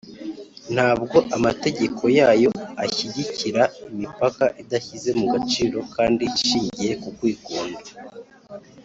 . Ntabwo amategeko yayo ashyigikira imipaka idashyize mu gaciro kandi ishingiye ku kwikunda.